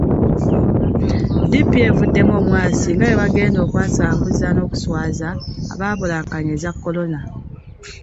DP evuddemu omwasi nge bwebagenda okwasanguza n'okuswaza ababulankanya eza kolona.